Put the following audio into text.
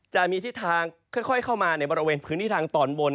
จะมีทิศทางค่อยเข้ามาในบริเวณพื้นที่ทางตอนบน